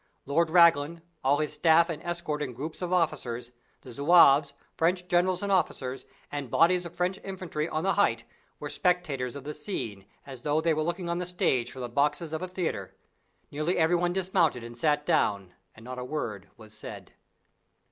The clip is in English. Lord Raglan, all his staff and escort and groups of officers, the Zouaves, French generals and officers, and bodies of French infantry on the height were spectators of the scene as though they were looking on the stage from the boxes of a theatre. Nearly every one dismounted and sat down, and not a word was said.